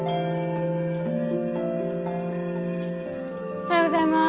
おはようございます。